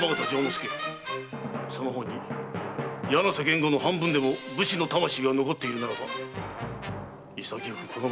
介その方に柳瀬源吾の半分でも武士の魂が残っているならば潔くこの場にて腹を切れ！